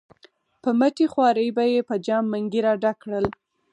په مټې خوارۍ به یې په جام منګي را ډک کړل.